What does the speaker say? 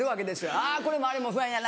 あこれもあれも不安やな